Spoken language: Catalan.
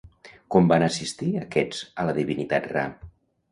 Com van assistir aquests a la divinitat Ra?